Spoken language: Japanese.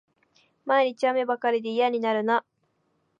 毎日、雨ばかりで嫌になるな